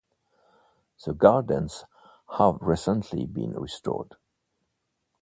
The gardens have recently been restored.